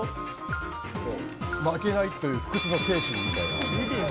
負けないという不屈の精神みたいな。